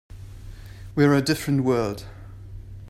We're a different world.